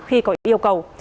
khi có yêu cầu